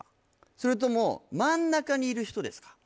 それとも真ん中にいる人ですか？